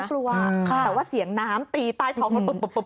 กลัวแต่ว่าเสียงน้ำตีใต้ท้องรถปุ๊บ